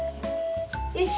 よし！